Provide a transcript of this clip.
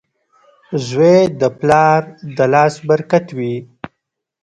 • زوی د پلار د لاس برکت وي.